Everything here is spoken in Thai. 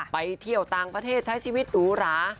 ไปเที่ยวต่างประเทศใช้ชีวิตหรูหรา